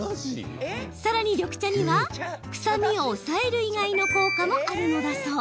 さらに緑茶には臭みを抑える以外の効果もあるのだそう。